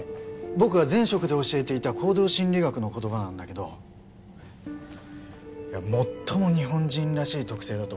僕が前職で教えていた行動心理学の言葉なんだけど最も日本人らしい特性だと僕は思ってて。